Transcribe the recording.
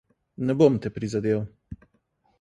Ne bom te prizadel.